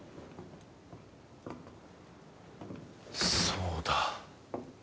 そうだ。